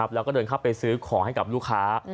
แล้วก็เดินเข้าไปซื้อของให้กับลูกค้า